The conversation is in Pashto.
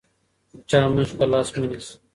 د چا مخې ته لاس مه نیسه.